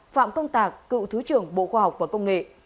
phạm công tạc cựu thứ trưởng bộ khoa học và công nghệ